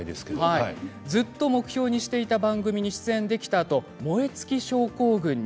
ずっと目標にしていた番組に出演できたあと燃え尽き症候群に。